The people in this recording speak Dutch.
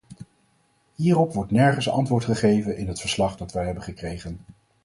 Hierop wordt nergens antwoord gegeven in het verslag dat wij hebben gekregen.